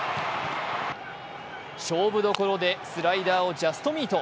勝負どころでスライダーをジャストミート。